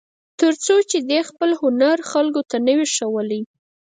تر څو چې دې خپل هنر خلکو ته نه وي ښوولی.